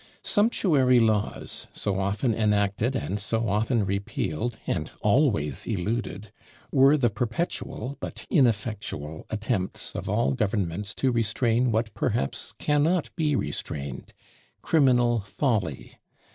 Sumptuary laws, so often enacted and so often repealed, and always eluded, were the perpetual, but ineffectual, attempts of all governments to restrain what, perhaps, cannot be restrained criminal folly!